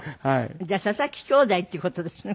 じゃあ佐々木兄弟っていう事ですね。